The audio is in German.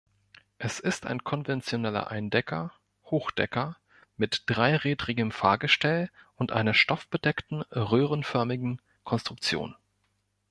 Es ist ein konventioneller Eindecker (Hochdecker) mit dreirädrigem Fahrgestell und einer stoffbedeckten röhrenförmigen Konstruktion.